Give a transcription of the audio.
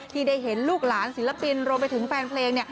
ที่ได้เห็นลูกหลานศิลปินรวมไปถึงแฟนเพลง